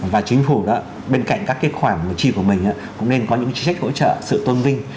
và chính phủ đó bên cạnh các cái khoảng chi của mình cũng nên có những trí trách hỗ trợ sự tôn vinh